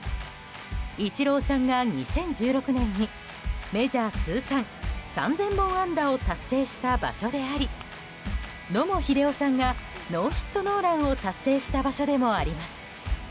イチローさんが２０１６年にメジャー通算３０００本安打を達成した場所であり野茂英雄さんがノーヒットノーランを達成した場所でもあります。